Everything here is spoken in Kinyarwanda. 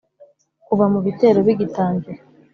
kuva mu ibitero bigitangira,